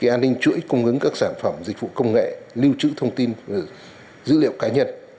an ninh chuỗi cung ứng các sản phẩm dịch vụ công nghệ lưu trữ thông tin dữ liệu cá nhân